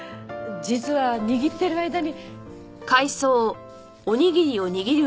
実は握ってる間に。